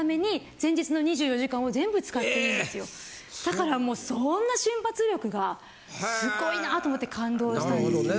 だからそんな瞬発力がすごいなと思って感動したんですけど。